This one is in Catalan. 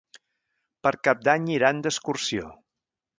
Per Cap d'Any iran d'excursió.